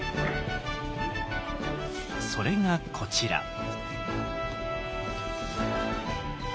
それがこちら。